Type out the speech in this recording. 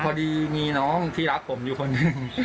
พอดีมีน้องที่รักผมอยู่คนหนึ่ง